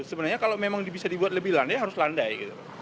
sebenarnya kalau memang bisa dibuat lebih landai harus landai